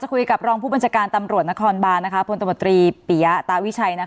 คุยกับรองผู้บัญชาการตำรวจนครบานพลตมตรีปียะตาวิชัย